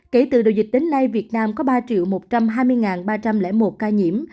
kể từ đầu dịch đến nay việt nam có ba một trăm hai mươi ba trăm linh một ca nhiễm